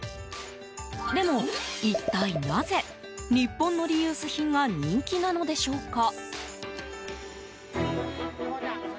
でも一体、なぜ日本のリユース品が人気なのでしょうか。